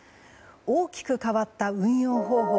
大きく変わった運用方法。